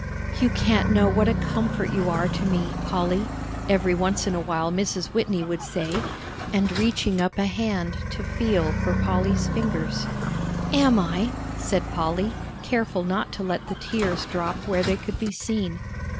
"You can't know what a comfort you are to me, Polly," every once in a while Mrs. Whitney would say, and reaching up a hand to feel for Polly's fingers. "Am I?" said Polly, careful not to let the tears drop where they could be seen.